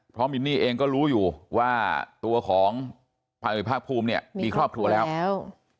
เพราะมินนี่เองก็รู้อยู่ว่าตัวของพันธุภาคภูมิเนี่ยมีครอบครัวแล้ว